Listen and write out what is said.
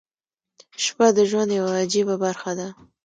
• شپه د ژوند یوه عجیبه برخه ده.